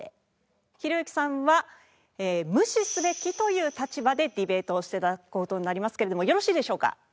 ひろゆきさんは無視すべきという立場でディベートをして頂く事になりますけれどもよろしいでしょうか？